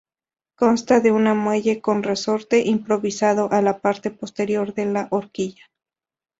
Consta de una muelle con resorte improvisado a la parte posterior de la horquilla.